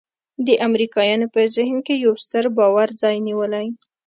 د امریکایانو په ذهن کې یو ستر باور ځای نیولی.